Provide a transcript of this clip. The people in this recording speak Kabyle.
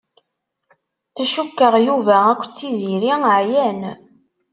Cukkeɣ Yuba akked Tiziri ɛyan.